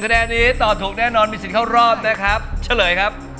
อ้ายก็รู้ไม่น่าได้ที่มาเลย